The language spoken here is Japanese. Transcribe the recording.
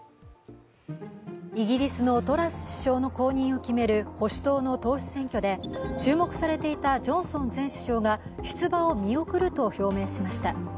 イギリスのトラス首相の後任を決める保守党の党首選挙で注目されていたジョンソン前首相が出馬を見送ると表明しました。